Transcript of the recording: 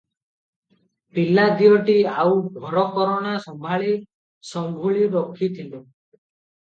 ପିଲା ଦିଓଟି ଆଉ ଘରକରଣା ସମ୍ଭାଳିସମ୍ଭୁଳି ରଖିଥିଲେ ।